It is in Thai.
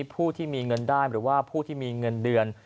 ผู้ที่มีเงินได้หรือว่าผู้ที่มีเงินเดือน